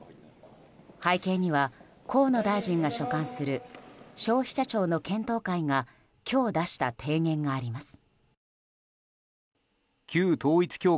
背景には河野大臣が所管する消費者庁の検討会が今日、出した提言があります。